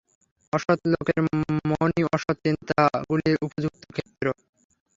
অসৎ লোকের মনই অসৎ চিন্তাগুলির উপযুক্ত ক্ষেত্র।